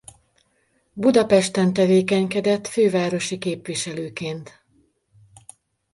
Budapesten tevékenykedett fővárosi képviselőként.